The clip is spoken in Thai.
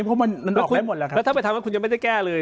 เพราะมันมันออกไปหมดแล้วครับแล้วถ้าไปถามว่าคุณยังไม่ได้แก้เลย